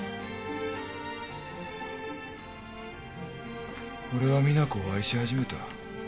俺は実那子を愛し始めた。